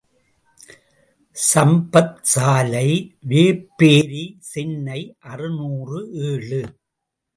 சம்பத் சாலை, வேப்பேரி, சென்னை அறுநூறு ஏழு.